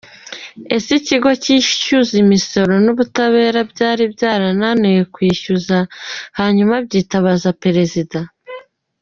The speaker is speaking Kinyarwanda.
Ese ikigo cyisuza imisoro n’ubutabera byari byarananiwe kwishyuza hanyuma byitabaza Perezida?